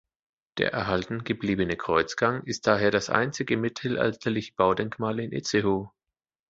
Der erhalten gebliebene Kreuzgang ist daher das einzige mittelalterliche Baudenkmal in Itzehoe.